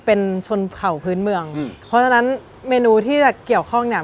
เป็นชนเข่าพื้นเมืองอืมเพราะฉะนั้นเมนูที่จะเกี่ยวข้องเนี่ย